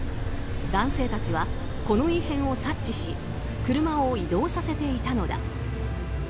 男性たちはこの異変を察知し車を移動させていたのだ。